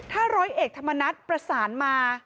ถ้าร้อยเอกธรรมนัฐประสานมา